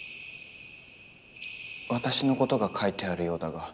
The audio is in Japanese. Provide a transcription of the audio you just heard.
私のことが書いてあるようだが。